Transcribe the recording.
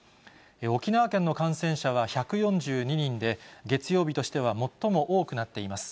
沖縄県の感染者は１４２人で、月曜日としては最も多くなっています。